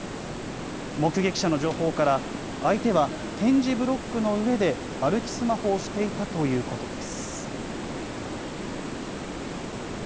目撃者の情報から、相手は点字ブロックの上で歩きスマホをしていたということです。